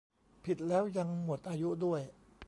ผิดแล้วยังหมดอายุด้วย